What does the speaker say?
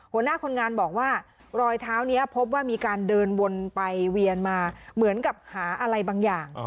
หัวหน้าคนงานบอกว่ารอยเท้านี้พบว่ามีการเดินวนไปเวียนมาเหมือนกับหาอะไรบางอย่าง